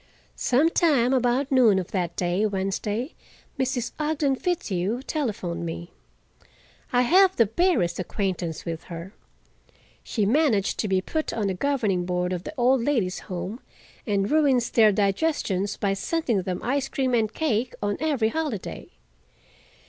Some time about noon of that day, Wednesday, Mrs. Ogden Fitzhugh telephoned me. I have the barest acquaintance with her—she managed to be put on the governing board of the Old Ladies' Home and ruins their digestions by sending them ice cream and cake on every holiday.